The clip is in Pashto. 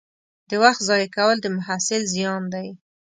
د وخت ضایع کول د محصل زیان دی.